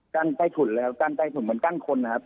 กั้นใกล้ถุ่นเลยครับกั้นใกล้ถุ่นเหมือนกั้นคนนะครับ